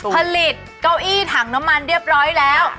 เก้าอี้ถังน้ำมันเรียบร้อยแล้ว